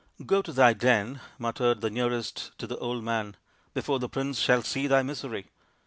" Get to thy den," muttered those nearest to the old man, " before the prince shall see thy misery."